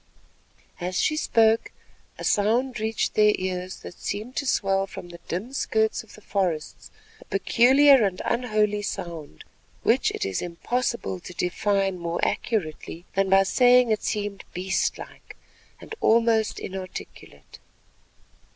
As she spoke, a sound reached their ears that seemed to swell from the dim skirts of the forests, a peculiar and unholy sound which it is impossible to define more accurately than by saying that it seemed beastlike, and almost inarticulate.